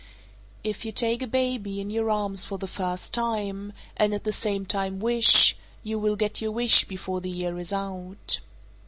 If you take a baby in your arms for the first time, and at the same time wish, you will get your wish before the year is out.